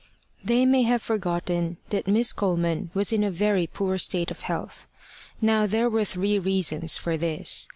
They may have forgotten that Miss Coleman was in a very poor state of health. Now there were three reasons for this.